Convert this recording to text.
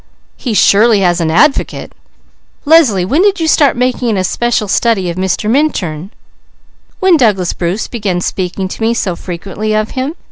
"He surely has an advocate! Leslie, when did you start making an especial study of Mr. Minturn?" "When Douglas Bruce began speaking to me so frequently of him!"